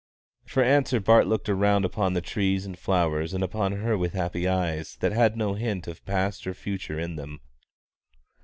For answer Bart looked around upon the trees and flowers and upon her with happy eyes that had no hint of past or future in them.